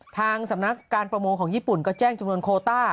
ทางสำนักการประมงของญี่ปุ่นก็แจ้งจำนวนโคต้า